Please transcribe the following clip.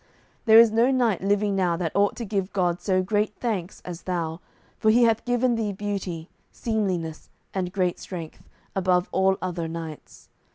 There is no knight living now that ought to give God so great thanks as thou; for He hath given thee beauty, seemliness, and great strength, above all other knights.